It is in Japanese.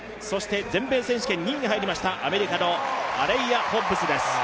全米選手権２位に入りました、アメリカのアレイア・ホッブスです。